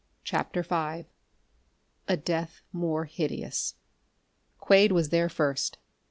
CHAPTER V A Death More Hideous Quade was there first.